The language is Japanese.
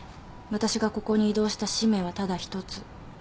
私がここに異動した使命はただ一つ。